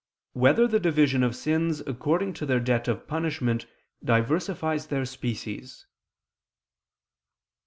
5] Whether the Division of Sins According to Their Debt of Punishment Diversifies Their Species?